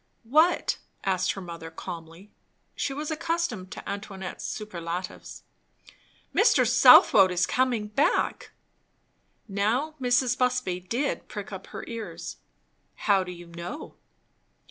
"What?" said her mother calmly. She was accustomed to Antoinette's superlatives. "Mr. Southwode is coming back. " Now Mrs. Busby did prick up her ears. "How do you know?"